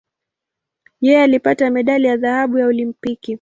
Yeye alipata medali ya dhahabu ya Olimpiki.